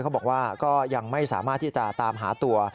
เขาบอกว่าก็ยังไม่สามารถที่จะตามหาตัว